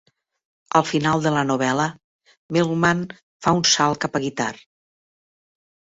Al final de la novel·la, Milkman fa un salt cap a Guitar.